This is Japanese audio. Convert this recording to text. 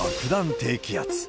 低気圧。